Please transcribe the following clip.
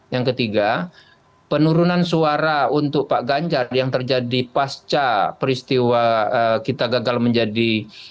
yang ketiga penurunan suara untuk pak ganjar yang terjadi pasca peristiwa kita gagal menjadi